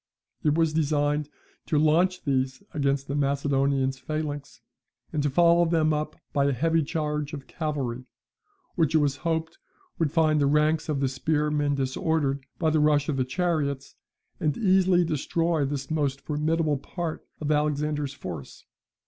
It was designed to launch these against the Macedonian phalanx, and to follow them up by a heavy charge of cavalry, which it was hoped would find the ranks of the spearmen disordered by the rush of the chariots, and easily destroy this most formidable part of Alexander's force.